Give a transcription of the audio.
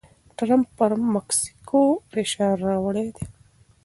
ټرمپ پر مکسیکو فشار راوړی و.